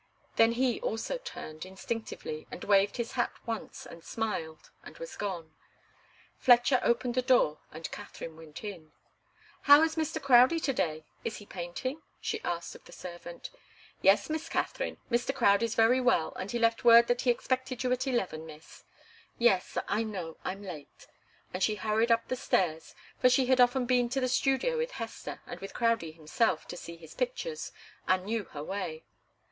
Then he also turned, instinctively, and waved his hat once, and smiled, and was gone. Fletcher opened the door, and Katharine went in. "How is Mr. Crowdie to day is he painting?" she asked of the servant. "Yes, Miss Katharine, Mr. Crowdie's very well, and he left word that he expected you at eleven, Miss." "Yes, I know I'm late." And she hurried up the stairs, for she had often been to the studio with Hester and with Crowdie himself, to see his pictures, and knew her way.